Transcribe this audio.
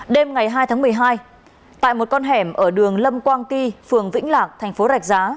đêm ngày hai tháng một mươi hai tại một con hẻm ở đường lâm quang ky phường vĩnh lạc tp đạch giá